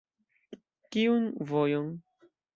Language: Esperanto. Kiun vojon?